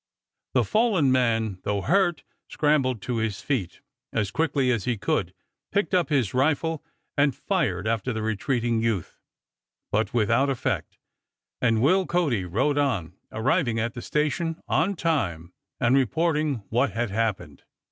The fallen man, though hurt, scrambled to his feet as quickly as he could, picked up his rifle, and fired after the retreating youth, but without effect; and Will Cody rode on, arriving at the station on time, and reporting what had happened.